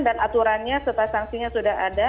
dan aturannya serta sanksinya sudah ada